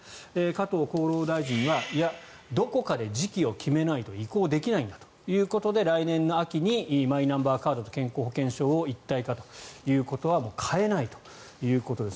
加藤厚労大臣はいや、どこかで時期を決めないと移行できないんだということで来年の秋にマイナンバーカードと健康保険証を一体化ということは変えないということです。